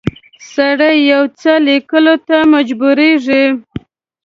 سړی یو څه لیکلو ته مجبوریږي.